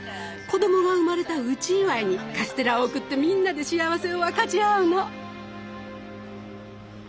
子供が生まれた内祝いにカステラを贈ってみんなで幸せを分かち合うの。